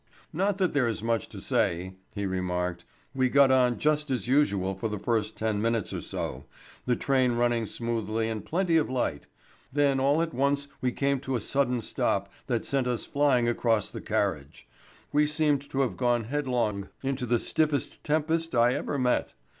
"Not that there is much to say," he remarked. "We got on just as usual for the first ten minutes or so, the train running smoothly and plenty of light. Then all at once we came to a sudden stop that sent us flying across the carriage. We seemed to have gone headlong into the stiffest tempest I ever met.